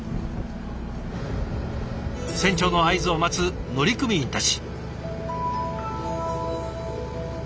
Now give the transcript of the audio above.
船長の合図を待つ乗組員たち。